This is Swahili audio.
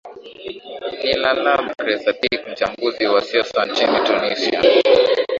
ni la labre sadik mchambuzi wa siasa wa nchini tunisia